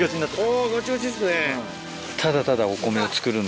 あぁガッチガチですね。